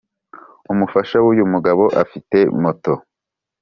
. Umufasha w’uyu mugabo afite moto